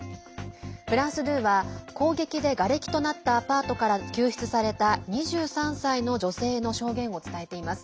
フランス２は攻撃でがれきとなったアパートから救出された２３歳の女性の証言を伝えています。